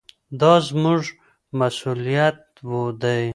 دا زموږ مسووليت دی.